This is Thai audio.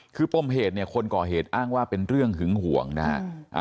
คือปมเหตุเนี่ยคนก่อเหตุอ้างว่าเป็นเรื่องหึงห่วงนะฮะ